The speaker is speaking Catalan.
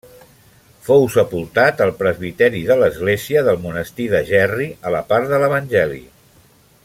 Fou sepultat al presbiteri de l'església del monestir de Gerri, a la part de l'evangeli.